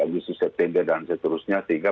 agustus september dan seterusnya sehingga